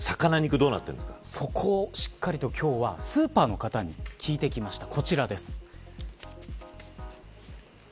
そこは、しっかりと今日はスーパーの方に聞いてきました。